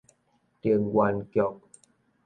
能源局